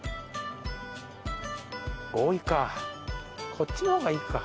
こっちの方がいっか。